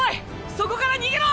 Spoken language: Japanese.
そこから逃げろ！